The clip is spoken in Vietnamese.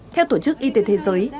theo tổ chức y tế thế giới